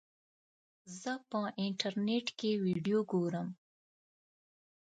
زه په انټرنیټ کې ویډیو ګورم.